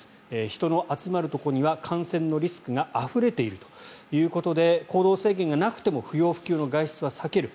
人の集まるところには感染のリスクがあふれているということで行動制限がなくても不要不急の外出は避ける。